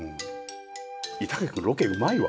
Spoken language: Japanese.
板垣君ロケうまいわ。